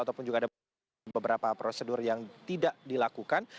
ataupun juga ada beberapa prosedur yang tidak dilakukan